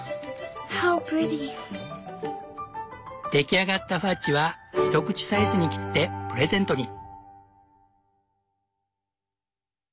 出来上がったファッジは一口サイズに切ってプレゼントに。